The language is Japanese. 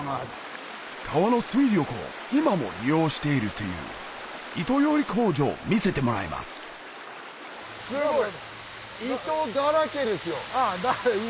川の水力を今も利用しているという糸より工場を見せてもらいますすごい！